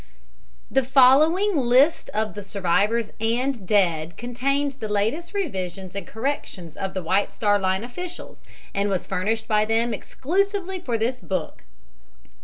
The following list of the survivors and dead contains the latest revisions and corrections of the White Star Line officials, and was furnished by them exclusively for this book.